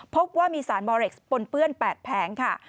พบว่ามีสารบอเล็กซ์ปนเปื้อน๘แผงค่ะ